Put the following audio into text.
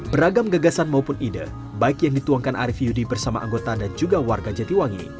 beragam gagasan maupun ide baik yang dituangkan arief yudi bersama anggota dan juga warga jatiwangi